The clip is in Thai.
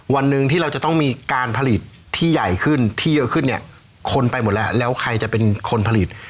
วันหนึ่งที่เราจะต้องมีการผลิตที่ใหญ่ขึ้นที่เยอะขึ้นเนี่ยคนไปหมดแล้วแล้วใครจะเป็นคนผลิต